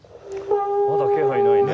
まだ気配ないね。